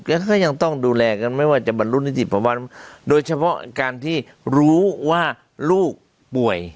แล้วก็ยังต้องดูแลกันไม่ว่าจะบรรลุนิติผมว่าโดยเฉพาะการที่รู้ว่าลูกป่วย